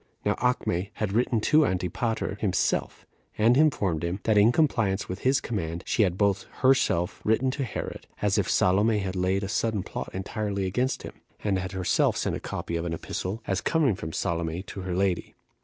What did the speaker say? Now Acme had written to Antipater himself, and informed him, that, in compliance with his command, she had both herself written to Herod, as if Salome had laid a sudden plot entirely against him, and had herself sent a copy of an epistle, as coming from Salome to her lady.